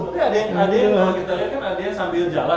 tapi adek kalo kita liat kan adeknya sambil jalan